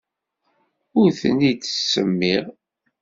Ur ten-id-ttsemmiɣ.